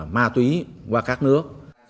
ma túy qua các nước